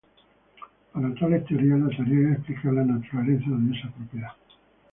Para tales teorías, la tarea es explicar la naturaleza de esa propiedad.